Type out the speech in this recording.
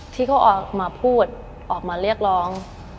ที่เขาออกมาพูดออกมาเรียกร้อง